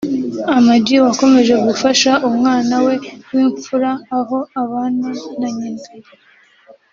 Ama G wakomeje gufasha umwana we w’imfura aho abana na Nyina